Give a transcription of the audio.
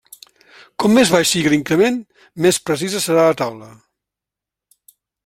Com més baix sigui l'increment, més precisa serà la taula.